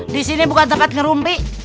disini bukan tempat ngerumpi